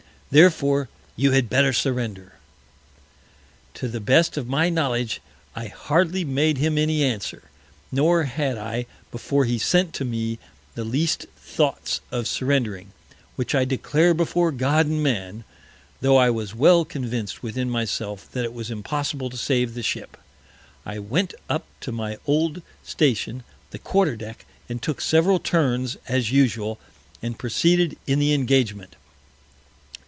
Therefore you had better surrender." To the best of my Knowledge, I hardly made him any Answer; nor had I, before he sent to me, the least Thoughts of surrendering, which I declare before God and Man; tho' I was well convinc'd within myself, that it was impossible to save the Ship. I went up to my old Station the Quarter Deck, and took several Turns, as usual, and proceeded in the Engagement.